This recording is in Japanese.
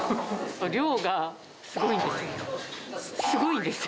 量がすごいんですよ。